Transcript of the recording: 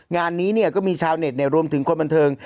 งานนี้ก็มีชาวเน็ตรวมถึงคนบันเทิง